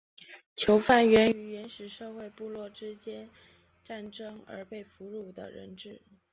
囚犯源于原始社会部落之间战争而被俘虏的人质。